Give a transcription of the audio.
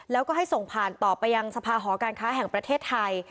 แล้วก็ให้ส่งผ่านต่อไปยังสภาหอการค้าแห่งประเทศไทย